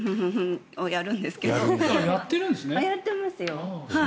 やってますよ